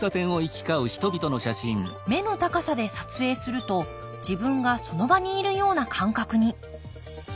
目の高さで撮影すると自分がその場にいるような感覚に。